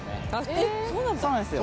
そうなんですよ